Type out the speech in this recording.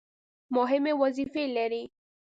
مهمې وظیفې لري.